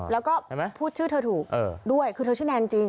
แล้วก็พูดชื่อเธอถูกด้วยคือเธอชื่อแนนจริง